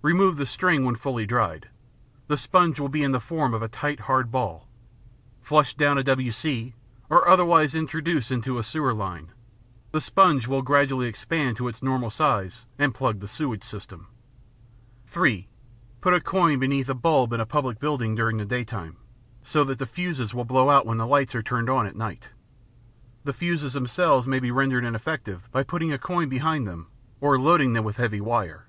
Remove the string when fully dried. The sponge will be in the form of a tight hard ball. Flush down a W. C. or otherwise introduce into a sewer line. The sponge will gradually expand to its normal size and plug the sewage system. (3) Put a coin beneath a bulb in a public building during the daytime, so that fuses will blow out when lights are turned on at night. The fuses themselves may be rendered ineffective by putting a coin behind them or loading them with heavy wire.